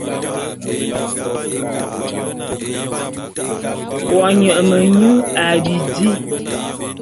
Wo nye menyu a bidi.